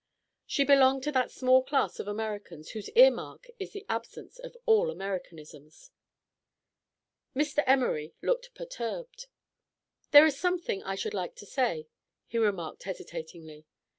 She belonged to that small class of Americans whose ear mark is the absence of all Americanisms. Mr. Emory looked perturbed. "There is something I should like to say," he remarked hesitatingly.